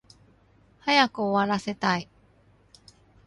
早く終わらせたい